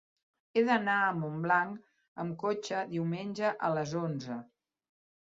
He d'anar a Montblanc amb cotxe diumenge a les onze.